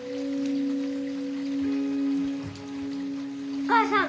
お母さん！